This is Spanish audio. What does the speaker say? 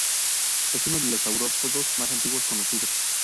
Es uno de los saurópodos más antiguos conocidos.